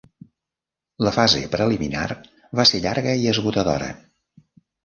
La fase preliminar va ser llarga i esgotadora.